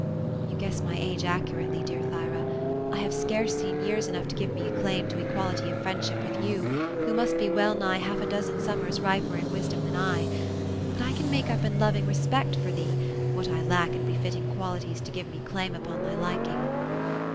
^^ You guess my age accurately, dear Thyra ; I have scarce seen yeani enough to give me a claim to equality of friendship with you, who must be well nigh half a dozen summers riper in wisdom than I ; but I can make up in loving respect for thee, what I lack in befitting qualities to give me claim upon thy liking."